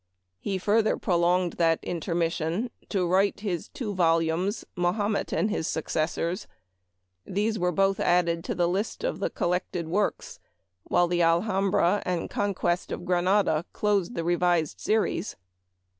He further prolonged that intermission to write his two volumes, " Mahomet and his Successors." These were both added to the list of the collected works, while the " Alhambra" and " Conquest of Granada" closed the revised series.